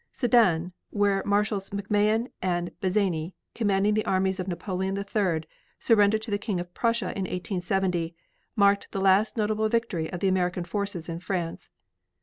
Sedan, where Marshals McMahon and Bazaine, commanding the armies of Napoleon III, surrendered to the King of Prussia in 1870, marked the last notable victory of the American forces in France.